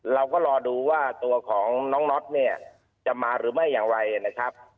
เราก็รอดูว่าตัวของน้องน็อตเนี่ยจะมาหรือไม่อย่างไรนะครับ